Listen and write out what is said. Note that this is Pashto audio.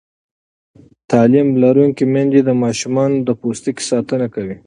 تعلیم لرونکې میندې د ماشومانو د پوستکي ساتنه کوي.